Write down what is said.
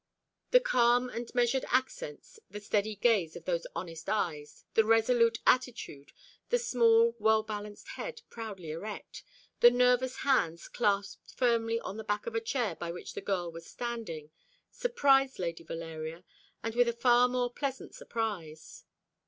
The calm and measured accents, the steady gaze of those honest eyes, the resolute attitude, the small well balanced head proudly erect, the nervous hands clasped firmly on the back of a chair by which the girl was standing, surprised Lady Valeria, and with a far from pleasant surprise.